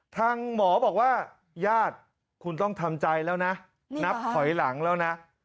ทางหมอบอกว่าญาติคุณต้องทำใจแล้วนะนับถอยหลังแล้วนะ